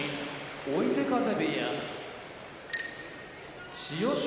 追手風部屋千代翔